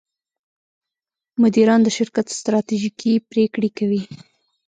مدیران د شرکت ستراتیژیکې پرېکړې کوي.